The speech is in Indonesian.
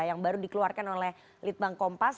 yang baru dikeluarkan oleh litbang kompas